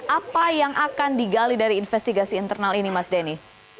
apa yang akan digali dari investigasi internal ini mas denny